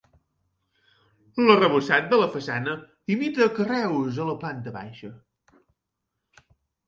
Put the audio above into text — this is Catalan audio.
L'arrebossat de la façana imita carreus a la planta baixa.